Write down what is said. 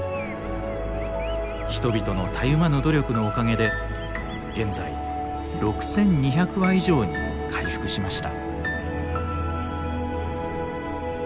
人々のたゆまぬ努力のおかげで現在６，２００羽以上に回復しました。